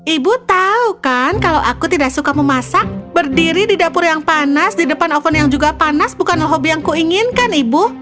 ibu tahu kan kalau aku tidak suka memasak berdiri di dapur yang panas di depan oven yang juga panas bukanlah hobi yang kuinginkan ibu